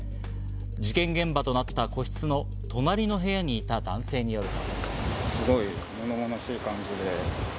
事件現場となった個室の隣の部屋にいた男性によると。